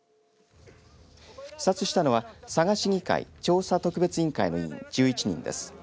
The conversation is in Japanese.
視察したのは佐賀市議会調査特別委員会の委員１１人です。